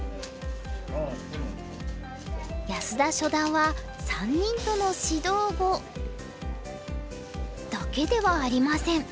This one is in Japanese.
安田初段は３人との指導碁だけではありません。